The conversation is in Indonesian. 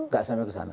enggak sampai ke sana